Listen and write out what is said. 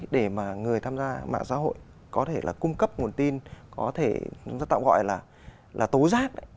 để mà người tham gia mạng xã hội có thể cung cấp nguồn tin có thể chúng ta tạo gọi là tố giác